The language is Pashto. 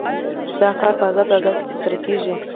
دا کار په ازاد بازار کې ترسره کیږي.